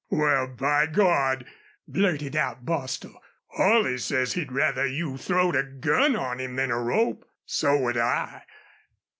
"Wal, by Gawd!" blurted out Bostil. "Holley says he'd rather you throwed a gun on him than a rope! So would I.